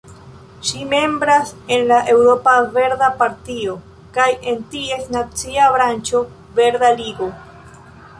Ŝi membras en la Eŭropa Verda Partio kaj en ties nacia branĉo Verda Ligo.